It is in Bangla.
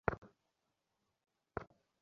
নিজের চোখে না দেখলে বিশ্বাস হবে না।